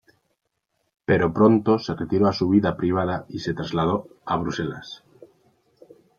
Pero pronto se retiró a su vida privada y se trasladó a Bruselas.